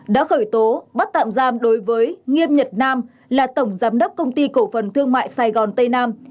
đã khởi tố bắt tạm giam đối với nghiêm nhật nam là tổng giám đốc công ty cổ phần thương mại sài gòn tây nam